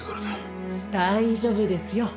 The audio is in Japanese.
大丈夫ですよ。